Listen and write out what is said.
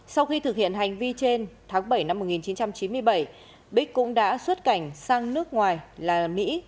sau khi thực hiện hành vi trên tháng bảy năm một nghìn chín trăm chín mươi bảy bích cũng đã xuất cảnh sang nước ngoài là mỹ